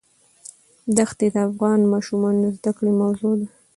ښتې د افغان ماشومانو د زده کړې موضوع ده.